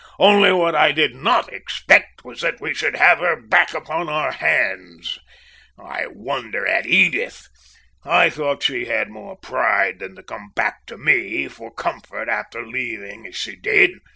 Only what I did not expect was that we should have her back upon our hands! I wonder at Edith! I thought she had more pride than to come back to me for comfort after leaving as she did!"